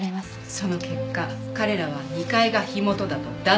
その結果彼らは２階が火元だと断定した。